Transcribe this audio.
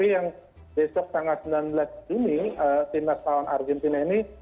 yang besok tanggal sembilan belas juni lima belas tahun argentina ini